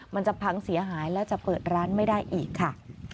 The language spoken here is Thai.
มันจะพังเสียหายและจะเปิดร้านไม่ได้อีกค่ะ